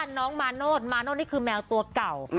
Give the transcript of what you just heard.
เรียกว่าน้องมาโนดคือแมวตัวก่าว